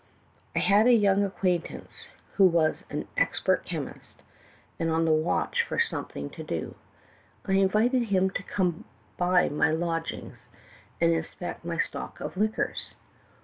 "I had a young acquaintance, who was an expert chemist, and on the watch for something 302 THE TALKING HANDKERCHIEF. to do. I invited him to come to my lodgings and inspect my stock of liquors.